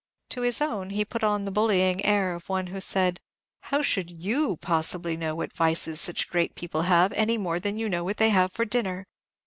To his own he put on the bullying air of one who said, "How should you possibly know what vices such great people have, any more than you know what they have for dinner?